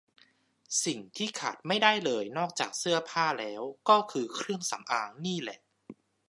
สิ่งที่ขาดไม่ได้เลยนอกจากเสื้อผ้าแล้วก็คือเครื่องสำอางนี่แหละ